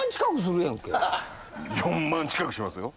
４万近くしますよ。